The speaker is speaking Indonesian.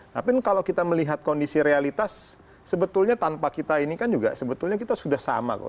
tapi kalau kita melihat kondisi realitas sebetulnya tanpa kita ini kan juga sebetulnya kita sudah sama kok